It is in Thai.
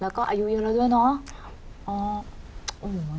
แล้วก็อายุเยอะแล้วด้วยเนาะ